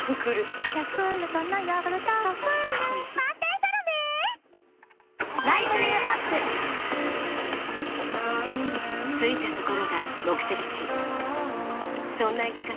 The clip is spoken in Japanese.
すごい！着いたところが目的地そんな生き方